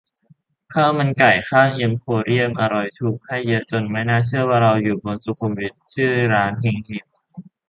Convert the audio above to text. ข้าวมันไก่ข้างเอ็มโพเรียม อร่อย ถูก ให้เยอะ จนไม่น่าเชื่อว่าเราอยู่บนสุขุมวิท ชื่อร้าน 'เฮง เฮง'